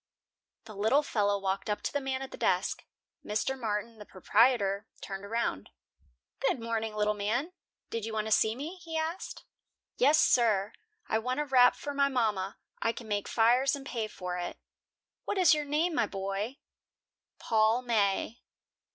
The little fellow walked up to the man at the desk. Mr. Martin, the proprietor, turned around. "Good morning, little man. Did you want to see me?" he asked. "Yes, sir. I want a wrap for my mama. I can make fires and pay for it." "What is your name, my boy?" "Paul May."